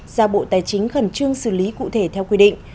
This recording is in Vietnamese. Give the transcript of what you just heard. ra bộ tài chính khẩn trương xử lý cụ thể theo quy định